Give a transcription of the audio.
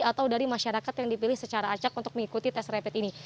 atau dari masyarakat yang dipilih secara acak untuk mengikuti tes rapid ini